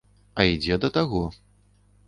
А ідзе да таго.